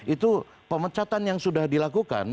itu pemecatan yang sudah dilakukan